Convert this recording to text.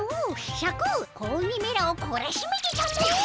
シャク子鬼めらをこらしめてたもっ！